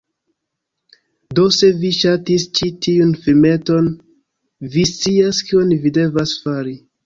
Do se vi ŝatis ĉi tiun filmeton, vi scias kion vi devas fari: